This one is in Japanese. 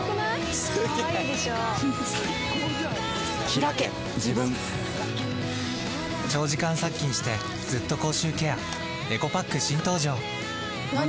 ひらけ自分長時間殺菌してずっと口臭ケアエコパック新登場！